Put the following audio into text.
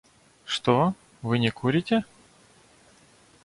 Что, вы не курите?